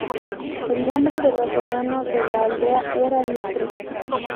El nombre del otomano de la aldea era Litro.